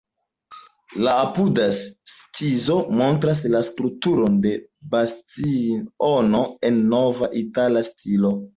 La apudas skizo montras la strukturon de bastiono en "nov-itala stilo".